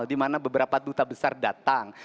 dimana beberapa duta besar datang